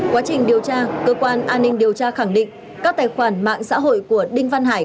quá trình điều tra cơ quan an ninh điều tra khẳng định các tài khoản mạng xã hội của đinh văn hải